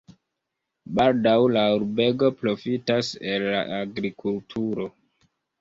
Baldaŭ la urbego profitas el la agrikulturo.